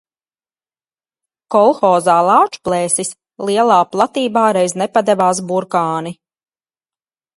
"Kolhozā "Lāčplēsis" lielā platībā reiz nepadevās burkāni."